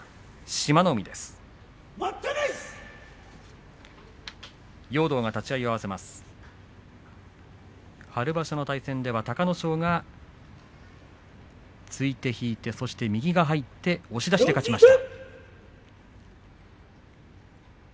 春場所の対戦では隆の勝が突いて引いてそして右が入って押し出しで勝ちました。